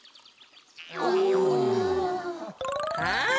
はい。